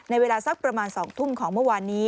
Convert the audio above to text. เวลาสักประมาณ๒ทุ่มของเมื่อวานนี้